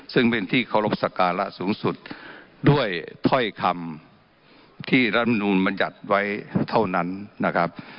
ซึ่งเป็นที่เคารพสักการะสูงสุดด้วยถ้อยคำที่รัฐมนุนบรรยัติไว้เท่านั้นนะครับ